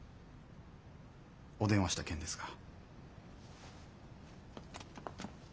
お電話した件ですが。